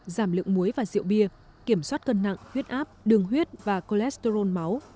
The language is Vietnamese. giảm lượng muối và rượu bia kiểm soát cân nặng huyết áp đường huyết và cholesterol máu